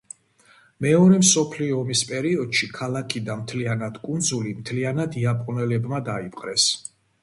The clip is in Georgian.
მეორე მსოფლიო ომის პერიოდში ქალაქი და მთლიანად კუნძული მთლიანად იაპონელებმა დაიპყრეს.